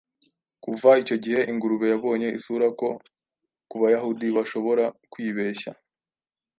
Kuva icyo gihe, ingurube yabonye isura Ko kubayahudi bashobora kwibeshya.